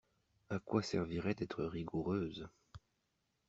A quoi servirait d'être rigoureuse.